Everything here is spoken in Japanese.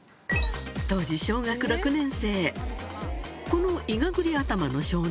当時小学６年生